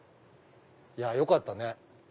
いやよかったね！